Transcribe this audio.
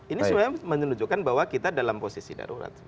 ini sebenarnya menunjukkan bahwa kita dalam posisi darurat